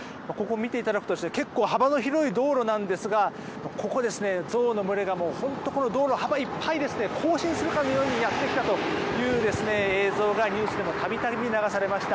見ていただくと結構、幅の広い道路なんですがゾウの群れがこの道路幅いっぱいを行進するようにやってきた映像がニュースでも度々流されました。